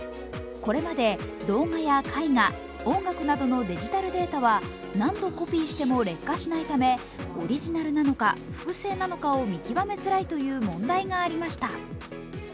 これまで動画や絵画、音楽などのデジタルデータは何度コピーしても劣化しないためオリジナルなのか複製なのかを見極めづらいという問題がありました。